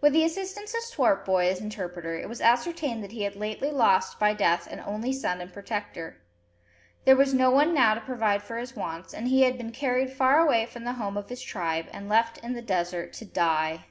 With the assistance of Swartboy, as interpreter, it was ascertained that he had lately lost by death an only son and protector. There was no one now to provide for his wants, and he had been carried far away from the home of his tribe, and left in the desert to die!